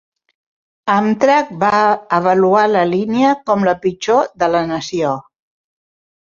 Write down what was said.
Amtrak va avaluar la línia com la pitjor de la nació.